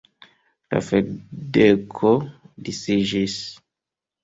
La ferdeko disiĝis.